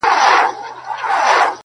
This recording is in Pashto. o څه غزل غزل راګورې څه ټپه ټپه ږغېږې,